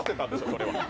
それは。